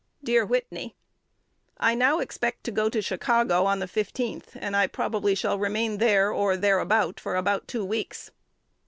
Dear Whitney, I now expect to go to Chicago on the 15th, and I probably shall remain there or thereabout for about two weeks.